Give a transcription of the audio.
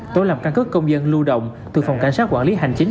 tôi làm căn cứ công dân lưu động từ phòng cảnh sát quản lý hành chính